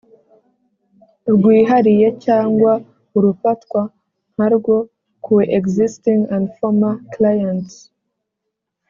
rwihariye cyangwa urufatwa nkarwo ku existing and former clients